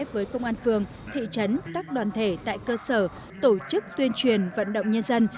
với công an phường thị trấn các đoàn thể tại cơ sở tổ chức tuyên truyền vận động nhân dân